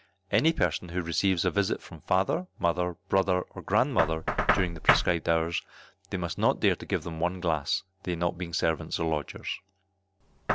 Any person who receives a visit from father, mother, brother, or grandmother, during the prescribed hours, they must not dare to give them one glass, they not being servants or lodgers.